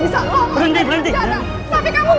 belasan tahun saya cari kamu